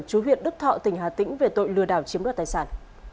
chú huyện đức thọ tỉnh hà tĩnh về tội lừa đảo chiếm đoạt tài sản